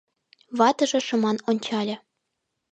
Ватыже шыман ончале